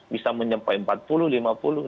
bisa mencapai empat puluh lima puluh